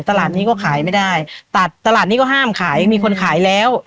ตลาดนี้ก็ขายไม่ได้ตัดตลาดนี้ก็ห้ามขายมีคนขายแล้ว